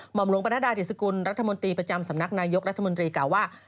หมอมหลวงปนัดดาดิสกุลรัฐมนตรีประจำสำนักนายกรัฐมนตรีกล่าวว่า